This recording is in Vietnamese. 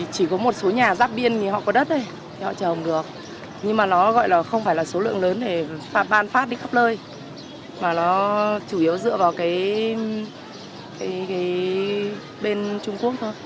số nhà giáp biên thì họ có đất thì họ trồng được nhưng mà nó gọi là không phải là số lượng lớn để ban phát đi khắp nơi mà nó chủ yếu dựa vào cái bên trung quốc thôi